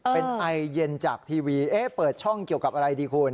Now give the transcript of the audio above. เป็นไอเย็นจากทีวีเปิดช่องเกี่ยวกับอะไรดีคุณ